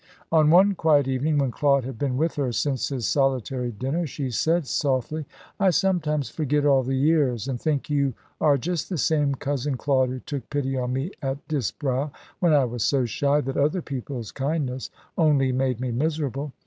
On one quiet evening, when Claude had been with her since his solitary dinner, she said softly: "I sometimes forget all the years, and think you are just the same Cousin Claude who took pity on me at Disbrowe, when I was so shy that other people's kindness only made me miserable.